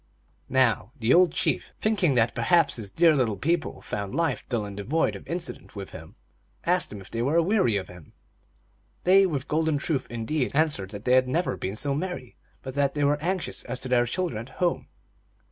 Now the old chief, thinking that perhaps his dear little people found life dull and devoid of incident with him, asked them if they were aweary of him. They, with golden truth indeed, answered that they had never been so merry, but that they were anxious as to their children at home.